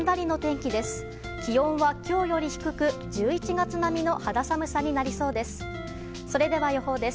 気温は今日より低く１１月並みの肌寒さになりそうです。